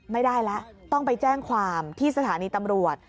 ไม่ได้แล้วต้องไปแจ้งความที่สถานีตำรวจ